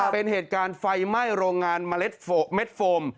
เป็นเหตุการณ์ไฟไหม้โรงงานเมล็ดเม็ดโฟม